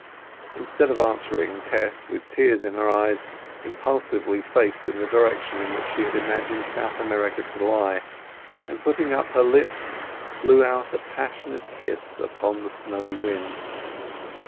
Instead of answering, Tess, with tears in her eyes, impulsively faced in the direction in which she imagined South America to lie, and, putting up her lips, blew out a passionate kiss upon the snowy wind.